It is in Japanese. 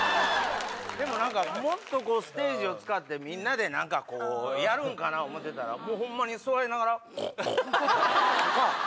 でもなんかもっとステージを使ってみんなでなんかこうやるんかな思うてたらもうホンマに座りながら「ゴッゴッ」とか。